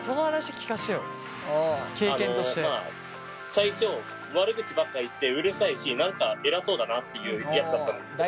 最初悪口ばっか言ってうるさいし何か偉そうだなっていうやつだったんですけど。